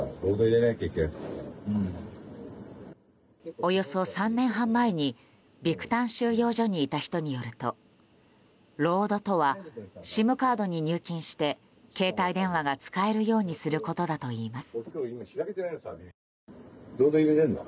およそ３年半前にビクタン収容所にいた人によるとロードとはＳＩＭカードに入金して携帯電話が使えるようにすることだといいます。